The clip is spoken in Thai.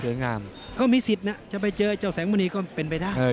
เขามีสิทธิ์นะจะไปเจอเจ้าแสงบรินีก็เป็นไปได้